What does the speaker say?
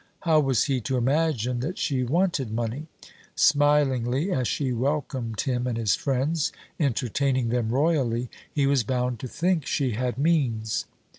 How was he to imagine that she wanted money! Smilingly as she welcomed him and his friends, entertaining them royally, he was bound to think she had means.